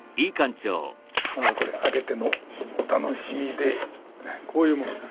これ開けてのお楽しみでこういうものです。